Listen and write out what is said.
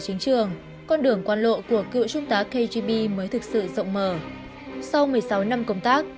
chiến trường con đường quan lộ của cựu trung tá kgb mới thực sự rộng mở sau một mươi sáu năm công tác